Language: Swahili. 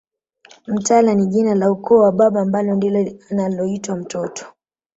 Mtala ni jina la ukoo wa baba ambalo ndilo analoitwa mtoto